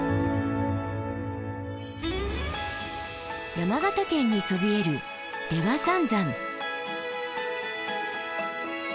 山形県にそびえる出羽三山。